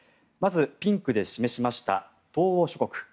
まずピンクで示しました東欧諸国。